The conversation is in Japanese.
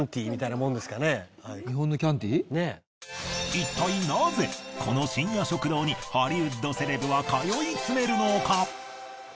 いったいなぜこの深夜食堂にハリウッドセレブは通い詰めるのか。